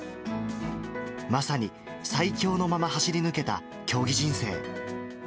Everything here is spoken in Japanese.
まさに最強のまま走り抜けた競技人生。